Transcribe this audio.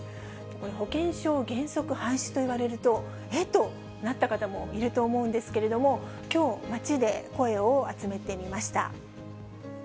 これ、保険証を原則廃止といわれると、えっとなった方もいると思うんですけれども、きょう、街で声を集めてみました。